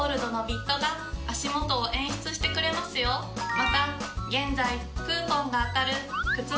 また現在。